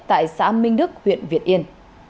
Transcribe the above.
tại xã minh đức huyện việt yên